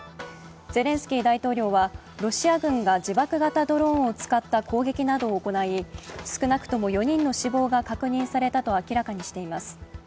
ゼレンスキー大統領は、ロシア軍が自爆型ドローンを使った攻撃などを行い、少なくとも４人の死亡が確認されたと明らかにしています。